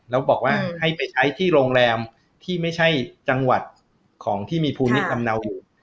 แล้วบอกว่าให้ไปใช้ที่โรงแรมที่ไม่ใช่จังหวัดของที่มีภูมิลำเนาอยู่